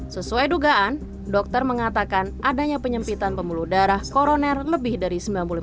sesuai dugaan dokter mengatakan adanya penyempitan pembuluh darah koroner lebih dari sembilan puluh